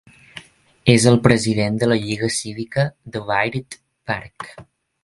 És el president de la Lliga Cívica de Byrd Park.